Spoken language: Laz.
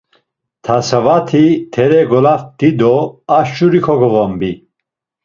Tasavati tere golaft̆i do a şuri kogovombi.